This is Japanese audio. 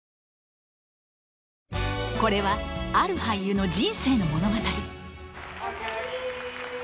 これはある俳優の人生の物語